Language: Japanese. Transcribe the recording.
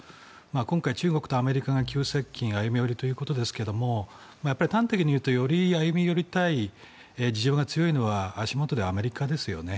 今回、中国とアメリカが急接近歩み寄りということですが端的に言うとより歩み寄りたい需要が強いのは足元ではアメリカですよね。